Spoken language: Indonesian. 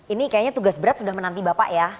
ini kayaknya tugas berat sudah menanti bapak ya